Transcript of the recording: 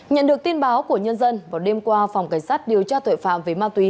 nhận được tin báo của nhân dân vào đêm qua phòng cảnh sát điều tra tội phạm về ma túy